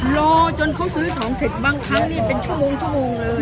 รอจนเขาซื้อของเสร็จบางครั้งนี่เป็นชั่วโมงเลย